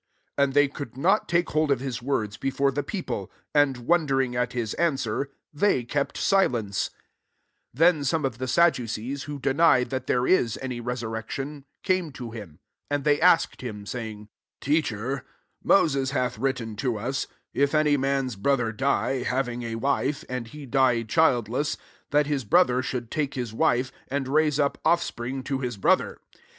26 And they could not take hold of his words before the people : and wondering at his answer, they kept silence. * '^For aU Uvc to him. Who regaixis the future 27 Then some of the Sad ducees, who deny that there is any resurrection, came to him ; and they asked him, 28 saying, '* Teacher, Moses hath written to us, * If any man's brother die, having a wife, and he die childless ; that his brother should take his wife, and raise up oflFspring to his brother.'